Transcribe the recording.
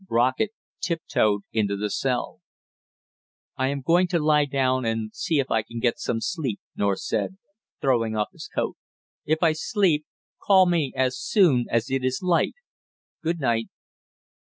Brockett tiptoed into the cell. "I am going to lie down and see if I can get some sleep," North said, throwing off his coat. "If I sleep, call me as soon as it is light good night."